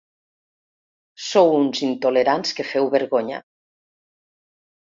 Sou uns intolerants que feu vergonya.